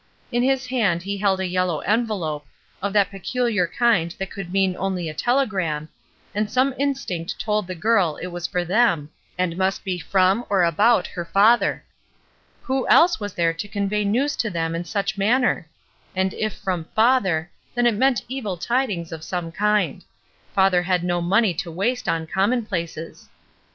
In his hand he held a yellow envelope, of that pecuhax kuid that could mean only a telegram, and some instinct told the girl it was for them, and must be from, or about, her father. Who CHILDREN OF ONE FATHER 389 else was there to convey news to them in such manner? And if from father, then it meant evil tidings of some kind : father had no money to waste on commonplaces.